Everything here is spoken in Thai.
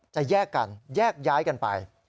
แยกกันแยกย้ายกันไป